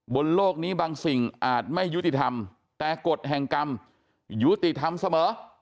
บนโลกนี้บางสิ่งอาจไม่ยุติธรรมแต่กฎแห่งกรรมยุติธรรมเสมอ